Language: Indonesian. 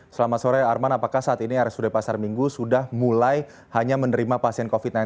selamat sore arman apakah saat ini rsud pasar minggu sudah mulai hanya menerima pasien covid sembilan belas